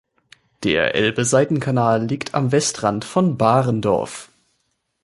Der Elbe-Seitenkanal liegt am Westrand von Barendorf.